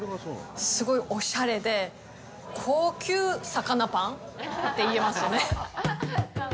すごいおしゃれで、高級魚パンって言えますね。